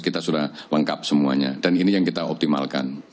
kita sudah lengkap semuanya dan ini yang kita optimalkan